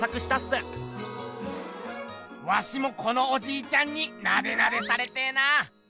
ワシもこのおじいちゃんになでなでされてぇな！